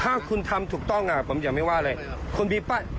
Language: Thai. ถ้าคุณทำถูกต้องผมจะไม่ว่าเลย